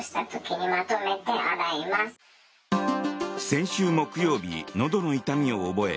先週木曜日、のどの痛みを覚え